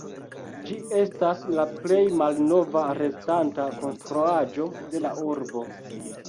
Ĝi estas la plej malnova restanta konstruaĵo de la urbo.